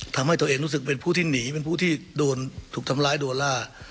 ทำให้ตัวเองรู้สึกเป็นผู้ที่หนีเป็นผู้ที่โดนถูกทำร้ายโดนล่า